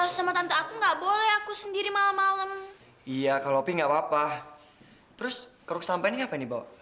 sejarah kita itu enggak n impairmentu sinar in rules oke ya